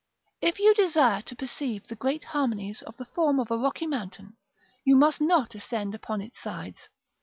If you desire to perceive the great harmonies of the form of a rocky mountain, you must not ascend upon its sides.